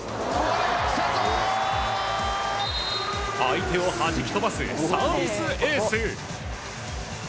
相手をはじき飛ばすサービスエース！